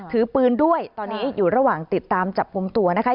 ถือปืนด้วยตอนนี้อยู่ระหว่างติดตามจับกลุ่มตัวนะคะ